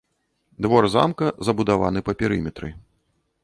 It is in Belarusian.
Двор замка забудаваны па перыметры.